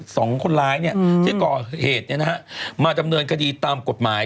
สองคนร้ายที่ก่อเหตุมาดำเนินคดีตามกฎหมาย